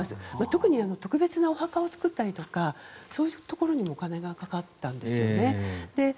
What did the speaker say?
特に特別なお墓を作ったりそういうところにお金がかかったんですよね。